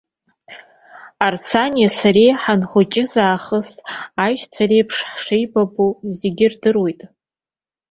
Арсанеи сареи ҳаныхәыҷыз аахыс, аишьцәа реиԥш ҳшеибабо зегьы ирдыруеит.